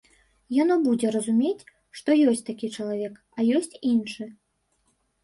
Яно будзе разумець, што ёсць такі чалавек, а ёсць іншы.